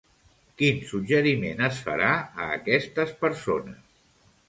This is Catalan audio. Quin suggeriment es farà a aquestes persones?